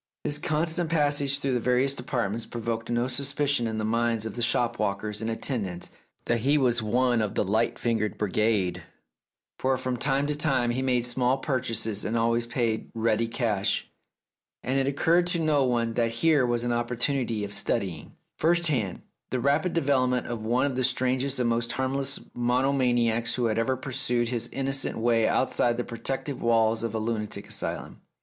His constant pas sage through the various departments provoked no suspicion in the minds of the shop walkers and atten dants that he was one of the light fingered brigade, for from time to time he made small purchases and always paid ready cash, and it occurred to no one that here was an opportunity of studying, first hand, the rapid development of one of the strangest and most harmless monomaniacs who had ever pursued his innocent way outside the protective walls of a lunatic asylum.